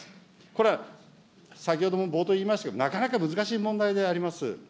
これは先ほども冒頭言いましたけど、なかなか難しい問題ではあります。